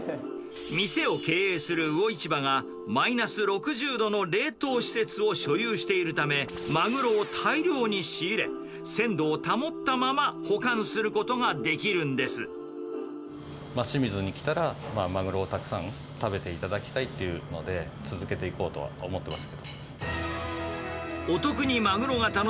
店を経営する魚市場がマイナス６０度の冷凍施設を所有しているため、マグロを大量に仕入れ、鮮度を保ったまま、保管することができる清水に来たら、マグロをたくさん食べていただきたいっていうので、続けていこうと思ってます。